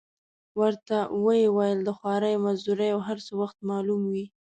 ورته ویې ویل: د خوارۍ مزدورۍ او هر څه وخت معلوم وي.